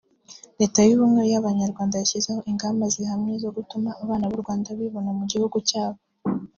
Leta y’Ubumwe bw’Abanyarwanda yashyizeho ingamba zihamye zo gutuma abana b’u Rwanda bibona mu gihugu cyabo